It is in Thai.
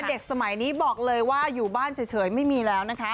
เด็กสมัยนี้บอกเลยว่าอยู่บ้านเฉยไม่มีแล้วนะคะ